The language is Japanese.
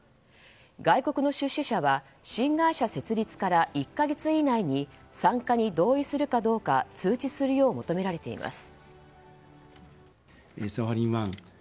外国の出資者は新会社設立から１か月以内に参加に同意するかどうか通知するよう求められています。